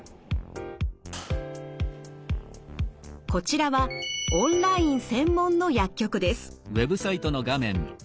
こちらはオンライン専門の薬局です。